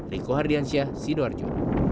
riko hardiansyah sidoarjo